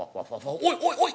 「おいおいおい！